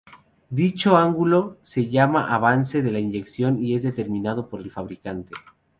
Dicho ángulo se llama Avance de la Inyección y es determinado por el fabricante.